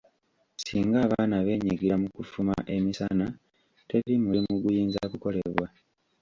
Singa abaana beenyigira mu kufuma emisana teri mulimu guyinza kukolebwa.